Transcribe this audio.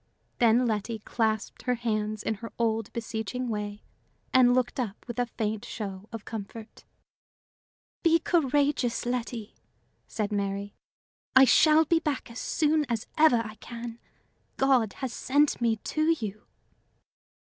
Then Letty clasped her hands in her old, beseeching way, and looked up with a faint show of comfort. "Be courageous, Letty," said Mary. "I shall be back as soon as ever I can. God has sent me to you."